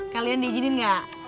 kalian diizinin nggak